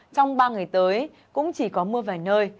trong ba ngày tới cũng chỉ có mưa vài nơi